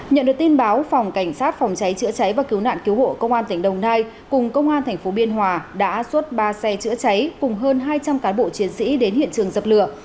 nhận được tin báo phòng cảnh sát phòng cháy chữa cháy và cứu nạn cứu hộ công an tỉnh đồng nai cùng công an tp biên hòa đã xuất ba xe chữa cháy cùng hơn hai trăm linh cán bộ chiến sĩ đến hiện trường dập lửa